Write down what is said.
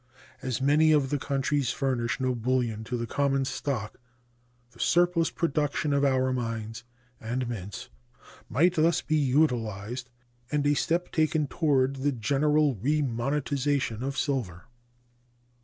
As many of the countries furnish no bullion to the common stock, the surplus production of our mines and mints might thus be utilized and a step taken toward the general remonetization of silver.